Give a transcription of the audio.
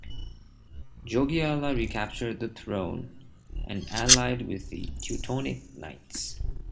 Jogaila recaptured the throne and allied with the Teutonic Knights.